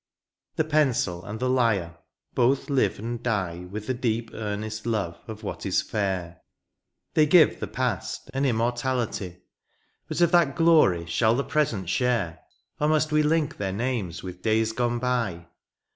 The pencil and the lyre — both live and die With the deep earnest love of what is fair ; They give the past an immortality^ But of that glory shall the present share ? Or must we link their names with days gone by